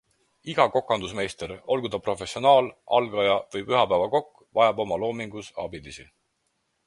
Iga kokandusmeister, olgu ta professionaal, algaja või pühapäevakokk, vajab oma loomingus abilisi.